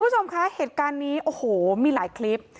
คุณผู้ชมคะเหตุการณ์นี้โอ้โหมีหลายคลิป